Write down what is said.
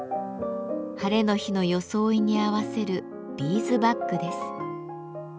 ハレの日の装いに合わせるビーズバッグです。